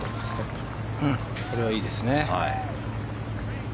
これはいいですね。